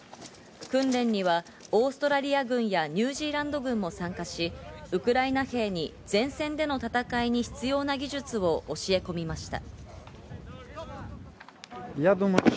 訓練にはオーストラリア軍やニュージーランド軍も参加し、ウクライナ兵に前線での戦いに必要な技術を教え込みました。